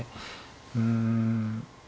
うん。